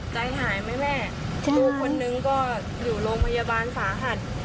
ใจหายไหมแม่ลูกคนนึงก็อยู่โรงพยาบาลสาหัส